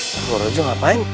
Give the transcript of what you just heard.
ke purworejo ngapain